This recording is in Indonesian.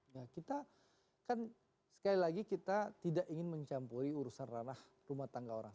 nah kita kan sekali lagi kita tidak ingin mencampuri urusan ranah rumah tangga orang